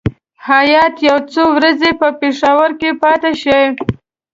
هیات یو څو ورځې په پېښور کې پاتې شي.